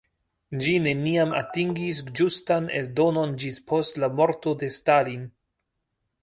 Ĝi neniam atingis ĝustan eldonon ĝis post la morto de Stalin.